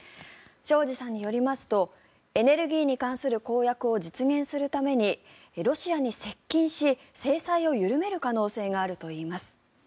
庄司さんによりますとエネルギーに関する公約を実現するためにロシアに接近し制裁を緩める可能性があるといいます。